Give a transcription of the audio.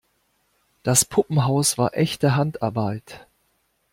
Das Puppenhaus war echte Handarbeit.